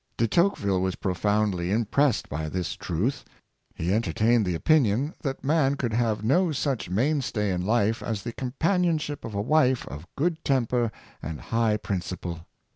De Tocqueville was profoundly impressed by this truth. He enter 572 De Tocqueville on Marriage. tained the opinion that man could have no such main stay in life as the companionship of a wife of good tem per and high principle.